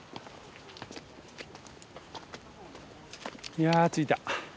いや着いた。